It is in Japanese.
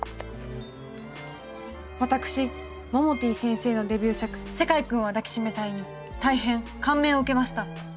私モモティ先生のデビュー作「世界くんは抱きしめたい」に大変感銘を受けました。